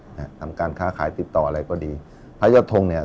นะฮะทำการค้าขายติดต่ออะไรก็ดีพระยอดทงเนี่ย